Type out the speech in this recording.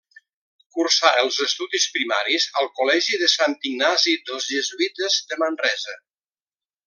Cursà els estudis primaris al Col·legi de Sant Ignasi dels Jesuïtes de Manresa.